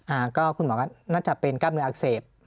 อ่าก็คุณหมอก็น่าจะเป็นกล้ามเนื้ออักเสบ